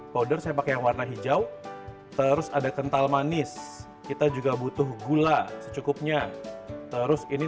powder saya pakai yang warna hijau terus ada kental manis kita juga butuh gula secukupnya terus ini